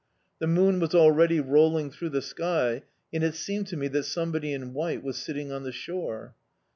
The moon was already rolling through the sky, and it seemed to me that somebody in white was sitting on the shore.